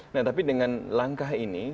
nah tapi dengan langkah ini